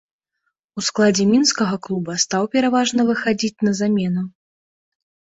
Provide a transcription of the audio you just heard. У складзе мінскага клуба стаў пераважна выхадзіць на замену.